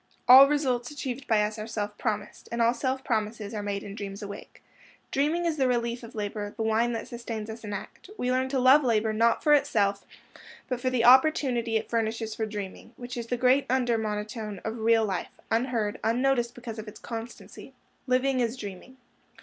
All results achieved by us are self promised, and all self promises are made in dreams awake. Dreaming is the relief of labor, the wine that sustains us in act. We learn to love labor, not for itself, but for the opportunity it furnishes for dreaming, which is the great under monotone of real life, unheard, unnoticed, because of its constancy. Living is dreaming.